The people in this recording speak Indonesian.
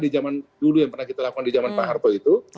di zaman dulu yang pernah kita lakukan di zaman pak harto itu